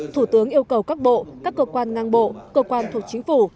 thủ tướng yêu cầu các bộ các cơ quan ngang bộ cơ quan thuộc chính phủ